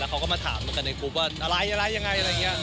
แล้วเขาก็มาถามกันในครูปว่าอะไรอะไรยังไง